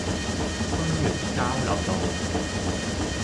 芬園交流道